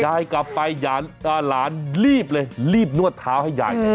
ยายกลับไปหลานรีบเลยรีบนวดเท้าให้ยาย